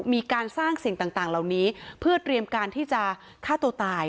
มีการสร้างสิ่งต่างเหล่านี้เพื่อเตรียมการที่จะฆ่าตัวตาย